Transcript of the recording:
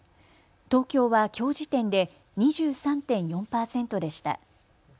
東京はきょう時点で２３．４％でした。